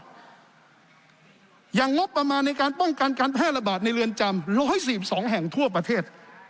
อย่างงบประมาณในการป้องกันการแพร่ระบาดในเรือนจำ๑๔๒แห่งทั่วประเทศ